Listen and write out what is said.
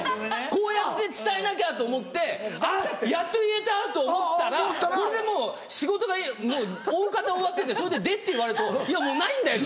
こうやって伝えなきゃと思ってやっと言えた！と思ったらこれでもう仕事がおおかた終わっててそれで「で？」って言われてももうないんだよ